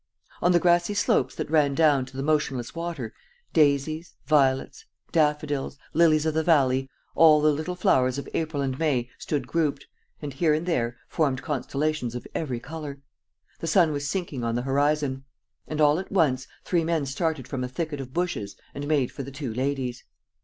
On the grassy slopes that ran down to the motionless water, daisies, violets, daffodils, lilies of the valley, all the little flowers of April and May stood grouped, and, here and there, formed constellations of every color. The sun was sinking on the horizon. And, all at once, three men started from a thicket of bushes and made for the two ladies.